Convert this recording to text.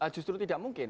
justru tidak mungkin